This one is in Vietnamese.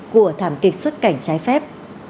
của thảm kịch xuất cảnh trái phép